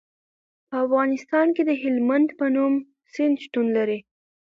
په افغانستان کې د هلمند په نوم سیند شتون لري.